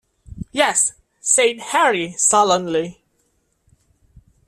"Yes," said Harry sullenly.